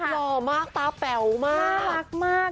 หล่อมากตาเป๋ามาก